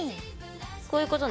こういうことね。